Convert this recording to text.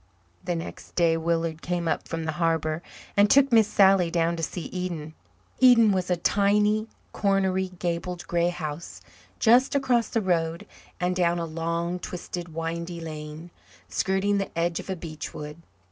The next day Willard came up from the harbour and took Miss Sally down to see Eden. Eden was a tiny, cornery, gabled grey house just across the road and down a long, twisted windy lane, skirting the edge of a beech wood.